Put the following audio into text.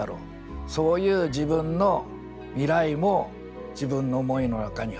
そういう自分の未来も自分の思いの中に入った。